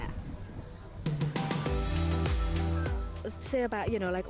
kami berbicara tentang semua buah buahan ini